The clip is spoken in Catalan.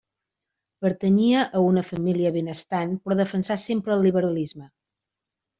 Pertanyia a una família benestant, però defensà sempre el liberalisme.